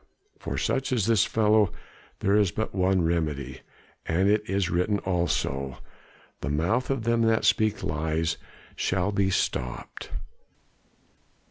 For such as this fellow there is but one remedy, as it is written also, 'The mouth of them that speak lies shall be stopped.